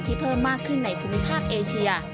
เพิ่มมากขึ้นในภูมิภาคเอเชีย